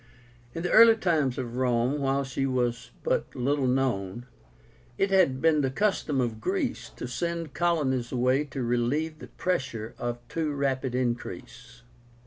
In the early times of Rome, while she was but little known, it had been the custom of Greece to send colonies away to relieve the pressure of too rapid increase.